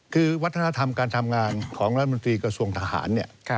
คือวัฒนธรรมการทำงานของรัฐมนตรีกระทรวงทหารเนี่ย